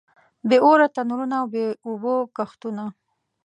بې اوره تنورونه او بې اوبو کښتونه.